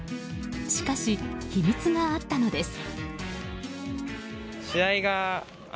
しかし、秘密があったのです。